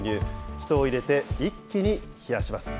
人を入れて一気に冷やします。